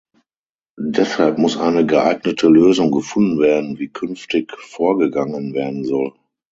Deshalb muss eine geeignete Lösung gefunden werden, wie künftig vorgegangen werden soll.